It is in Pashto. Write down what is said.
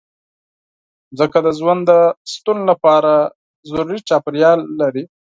مځکه د ژوند د شتون لپاره ضروري چاپېریال لري.